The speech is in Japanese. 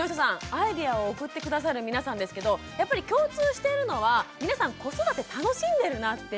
アイデアを送って下さる皆さんですけどやっぱり共通しているのは皆さん子育て楽しんでるなっていうふうに思いますよね。